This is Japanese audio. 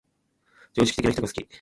常識的な人が好き